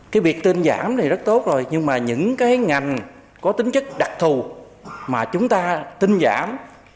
cái việc tinh giảm thì rất tốt rồi nhưng mà những cái ngành có tính chất đặc thù mà chúng ta tinh giảm